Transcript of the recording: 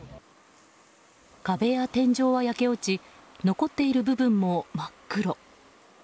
壁や天井は焼け落ち残っている部分もまっ黒。